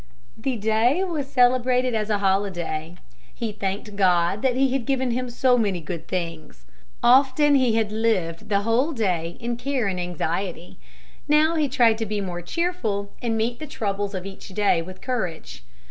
The day was celebrated as a holiday. He thanked God that He had given him so many good things. Often he had lived the whole day in care and anxiety. Now he tried to be more cheerful and to meet the troubles of each day with courage.